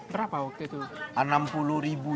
berapa waktu itu